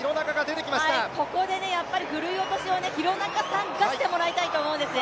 ここでやっぱりふるい落としを廣中さんがしてもらいたいと思いますね。